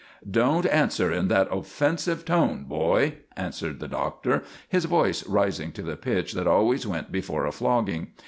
"Don't answer in that offensive tone, boy," answered the Doctor, his voice rising to the pitch that always went before a flogging.